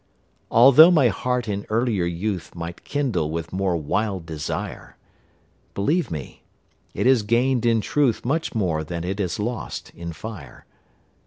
Altho' my heart in earlier youth Might kindle with more wild desire, Believe me, it has gained in truth Much more than it has lost in fire.